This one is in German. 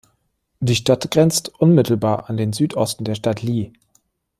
Die Stadt grenzt unmittelbar an den Südosten der Stadt Lille.